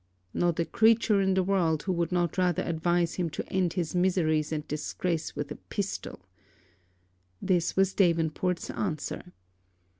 'Not a creature in the world who would not rather advise him to end his miseries and disgrace with a pistol.' This was Davenport's answer.